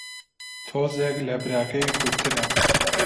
تۆزێک لە براکەی کورتترە